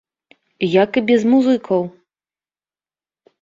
Як і без музыкаў.